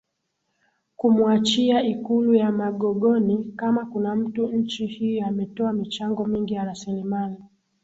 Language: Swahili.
kumuachia Ikulu ya MagogoniKama kuna mtu nchi hii ametoa michango mingi ya rasilimali